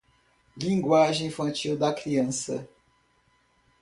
Linguagem infantil da criança